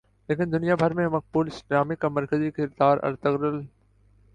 لیکن دنیا بھر میں مقبول اس ڈارمے کا مرکزی کردار ارطغرل